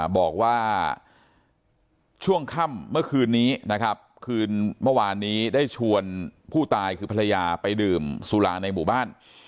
บอกว่าช่วงค่ำเมื่อคืนนี้นะครับคืนเมื่อวานนี้ได้ชวนผู้ตายคือภรรยาไปดื่มสุราในหมู่บ้าน